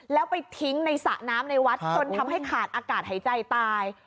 แล้วไปทิ้งในสระน้ำในวัดจนทำให้ขาดอากาศหายใจตาย